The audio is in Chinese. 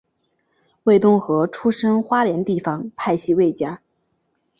魏东河出身花莲地方派系魏家。